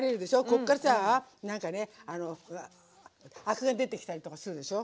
こっからさあなんかねあのアクが出てきたりとかするでしょ。